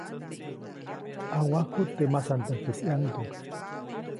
ʼNawajkuʼt teʼ masandäjkis ʼyaŋduŋ.